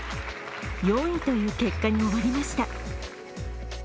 ４位という結果に終わりました。